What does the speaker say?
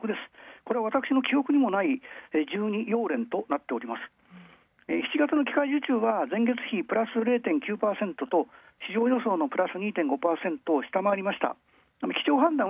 これは、私の記憶にもない７月の機械受注は前月比プラス０．９％と市場予想のプラス２．５％を上回りました。